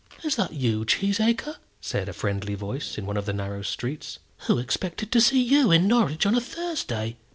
"Is that you, Cheesacre?" said a friendly voice, in one of the narrow streets. "Who expected to see you in Norwich on a Thursday!"